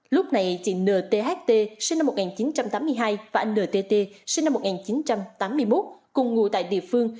lúc này chị ntht sinh năm một nghìn chín trăm tám mươi hai và ntt sinh năm một nghìn chín trăm tám mươi một cùng ngụ tại địa phương